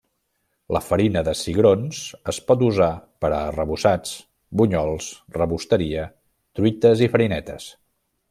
La farina de cigrons es pot usar per a arrebossats, bunyols, rebosteria, truites i farinetes.